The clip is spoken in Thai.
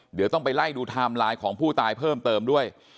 เดี๋ยวต้องไปไล่ดูไทม์ไลน์ของผู้ตายเพิ่มเติมด้วย